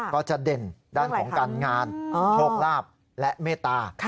ก็จะเด่นด้านของการงานโชคลาภและเมตตา